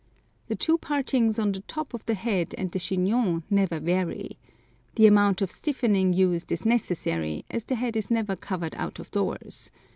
The two partings on the top of the head and the chignon never vary. The amount of stiffening used is necessary, as the head is never covered out of doors.